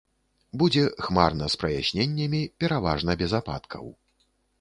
Будзе хмарна з праясненнямі, пераважна без ападкаў.